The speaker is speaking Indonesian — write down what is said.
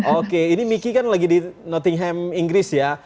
oke ini miki kan lagi di nottingham inggris ya